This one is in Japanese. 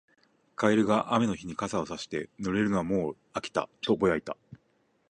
カエルが雨の日に傘をさして、「濡れるのはもう飽きた」とぼやいた。